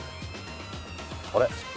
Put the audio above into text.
あれ？